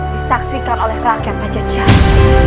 disaksikan oleh rakyat pajacara